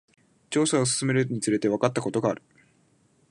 調査を進めるにつれて、わかったことがある。